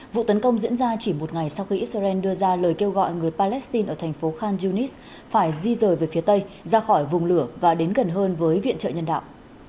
vụ tấn công diễn ra chỉ một ngày sau khi israel đưa ra lời kêu gọi người palestine ở thành phố khan yunis phải di rời về phía tây ra khỏi vùng lửa và đến gần hơn với viện trợ nhân đạo